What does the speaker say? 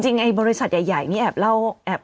จริงบริษัทใหญ่นี่แอบเล่า